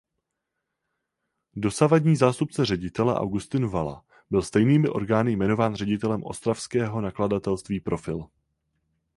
Dosavadní zástupce ředitele Augustin Vala byl stejnými orgány jmenován ředitelem ostravského nakladatelství Profil.